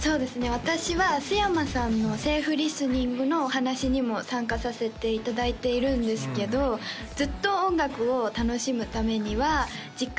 私は須山さんのセーフリスニングのお話にも参加させていただいているんですけどずっと音楽を楽しむためには時間や音量だったり